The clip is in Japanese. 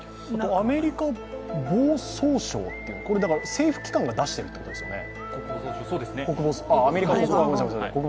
アメリカ国防総省ということで政府機関が出しているということですよね？